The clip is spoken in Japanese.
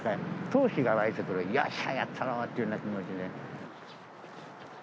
闘志が湧いてくる、よっしゃ、やったろうっていう気持ちで。